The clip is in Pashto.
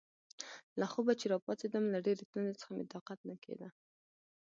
له خوبه چې راپاڅېدم، له ډېرې تندې څخه مې طاقت نه کېده.